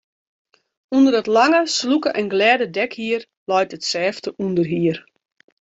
Under it lange, slûke en glêde dekhier leit it sêfte ûnderhier.